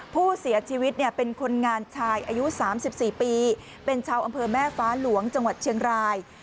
ผู้เสียชีวิตเป็นคนงานชายอายุ๓๔ปีเป็นชาวอำเภอแม่ฟ้าหลวงจังหวัดเชียงราย